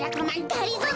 がりぞー